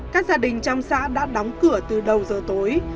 các gia đình trong xã đã đóng cửa từ đầu giờ tối